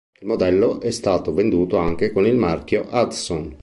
Il modello è stato venduto anche con il marchio Hudson.